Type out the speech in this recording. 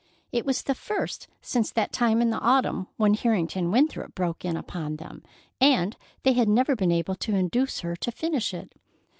It was the first since that time in the autumn when Harrington Winthrop broke in upon them, and they had never been able to induce her to finish it.